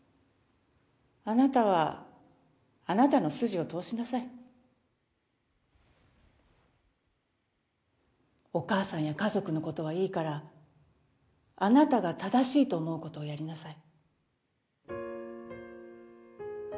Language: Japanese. あなたはあなたの筋を通しなさいお母さんや家族のことはいいからあなたが正しいと思うことをやりなさい